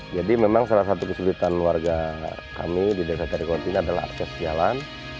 jadi memang salah satu kesulitan warga kami di desa tarikolot ini adalah akses jalan